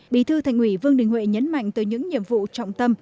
bí thư thành ủy vương đình huệ nhấn mạnh tới những nhiệm vụ trọng tâm